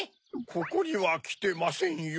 ここにはきてませんよ？